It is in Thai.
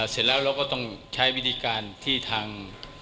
เสร็จแล้วเราก็ต้องใช้วิธีการที่ทาง